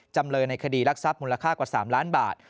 จำเลยในคดีรักทรัพย์มูลค่ากว่า๓ล้านบาท